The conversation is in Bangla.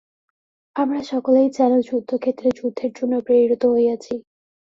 আমরা সকলেই যেন যুদ্ধক্ষেত্রে যুদ্ধের জন্য প্রেরিত হইয়াছি।